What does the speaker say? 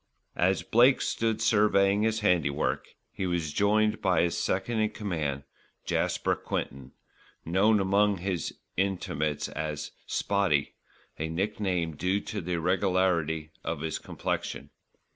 As Blake stood surveying his handiwork, he was joined by his second in command, Jasper Quinton, known among his intimates as "Spotty," a nickname due to the irregularity of his complexion.